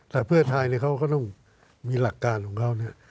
แต่เพื่อจะใช้เขาก็ต้องมีหลักการของเขา